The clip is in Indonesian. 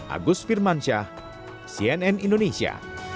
agus firmansyah cnn indonesia